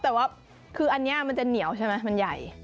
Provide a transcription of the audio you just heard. แต่ว่าคืออันนี้มันจะเหนียวใช่ไหมมันใหญ่